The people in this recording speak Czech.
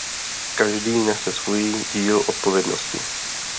Každý nese svůj díl odpovědnosti.